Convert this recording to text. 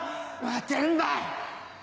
待てんばい！